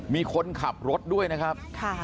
มีคนขับรถด้วยนะครับ